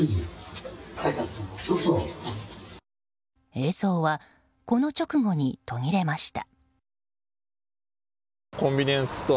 映像はこの直後に途切れました。